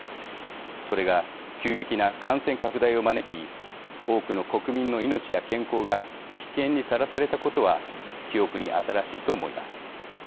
それが急激な感染拡大を招き多くの国民の命や健康が危険にさらされたことは記憶に新しいと思います。